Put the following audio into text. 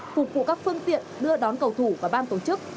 phục vụ các phương tiện đưa đón cầu thủ và ban tổ chức